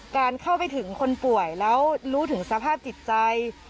การเข้าไปถึงคนป่วยแล้วรู้ถึงสภาพจิตใจ